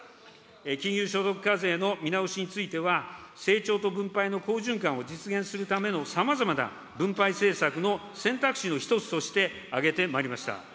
金融所得課税の見直しについては、成長と分配の好循環を実現するためのさまざまな分配政策の選択肢の一つとして挙げてまいりました。